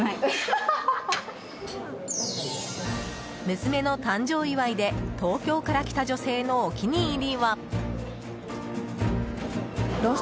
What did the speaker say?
娘の誕生祝いで東京から来た女性の、お気に入りは。